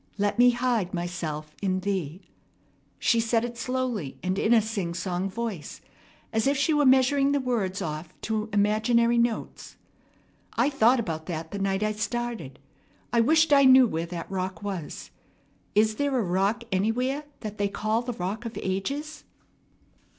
Let me hide myself in Thee.'" She said it slowly and in a singsong voice, as if she were measuring the words off to imaginary notes. "I thought about that the night I started. I wished I knew where that rock was. Is there a rock anywhere that they call the Rock of Ages?"